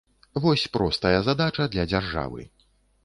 Вось простая задача для дзяржавы.